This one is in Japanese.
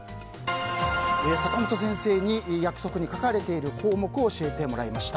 坂本先生に約束に書かれている項目を教えてもらいました。